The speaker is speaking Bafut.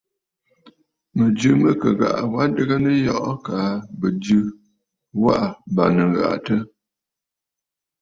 Mɨ̀jɨ mɨ kɨ ghaʼa wa adɨgə nɨyɔʼɔ kaa bɨjɨ waʼà bàŋnə̀ mbə.